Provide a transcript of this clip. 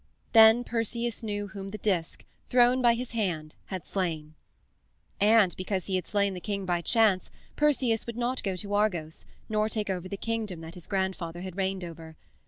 Then Perseus knew whom the disk, thrown by his hand, had slain. And because he had slain the king by chance Perseus would not go to Argos, nor take over the kingdom that his grandfather had reigned over.